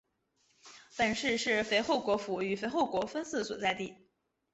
本市是肥后国府与肥后国分寺所在地。